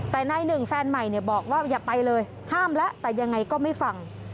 แต่นายหนึ่งแฟนใหม่บอกว่าอย่าไปเลยห้ามแล้วแต่ยังไงก็ไม่ฟัง